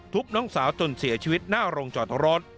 น้องสาวจนเสียชีวิตหน้าโรงจอดรถ